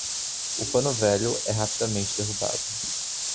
O pano velho é rapidamente derrubado.